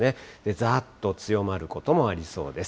ざーっと強まることもありそうです。